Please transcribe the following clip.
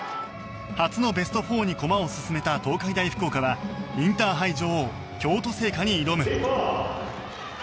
初のベスト４に駒を進めた東海大福岡はインターハイ女王京都精華に挑む。